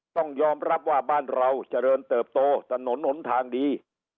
ต้องยอมรับว่าบ้านเราเจริญเติบโตถนนหนทางดี